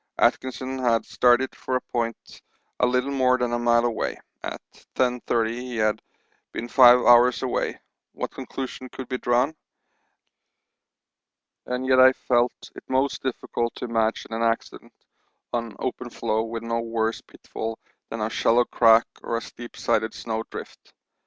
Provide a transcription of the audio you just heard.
Atkinson had started for a point a little more than a mile away; at 10.30 he had been five hours away; what conclusion could be drawn? And yet I felt it most difficult to imagine an accident on open floe with no worse pitfall than a shallow crack or steep sided snow drift.